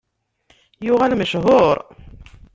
Yuɣal mechuṛ.